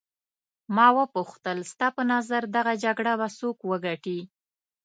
ما وپوښتل ستا په نظر دغه جګړه به څوک وګټي.